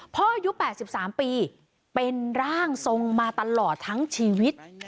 อายุ๘๓ปีเป็นร่างทรงมาตลอดทั้งชีวิต